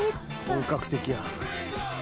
本格的や。